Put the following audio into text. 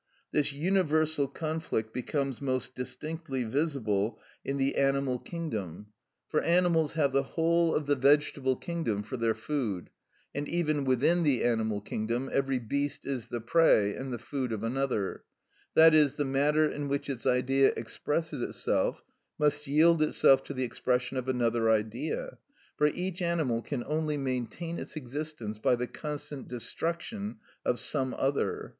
This universal conflict becomes most distinctly visible in the animal kingdom. For animals have the whole of the vegetable kingdom for their food, and even within the animal kingdom every beast is the prey and the food of another; that is, the matter in which its Idea expresses itself must yield itself to the expression of another Idea, for each animal can only maintain its existence by the constant destruction of some other.